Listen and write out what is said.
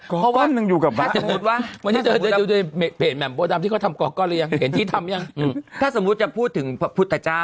กอก้อนหนึ่งอยู่กับพระถ้าสมมุติจะพูดถึงพระพุทธเจ้า